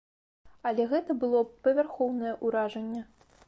Але гэта было б павярхоўнае ўражанне.